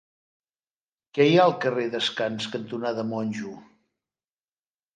Què hi ha al carrer Descans cantonada Monjo?